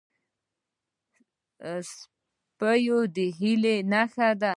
سپي د هیلو نښه ده.